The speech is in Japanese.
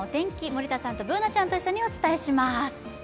森田さんとＢｏｏｎａちゃんと一緒にお伝えします。